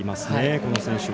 この選手は。